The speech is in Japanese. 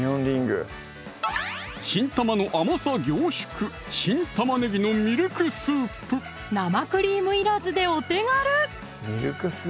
新玉の甘さ凝縮生クリームいらずでお手軽！